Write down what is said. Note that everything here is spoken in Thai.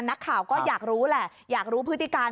นักข่าวก็อยากรู้แหละอยากรู้พฤติการ